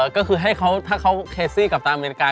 ก็คือให้เขาถ้าเขาเคซี่กับตามอเมริกา